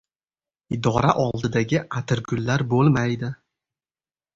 Idora oldidagi atirgullar bo‘lmaydi!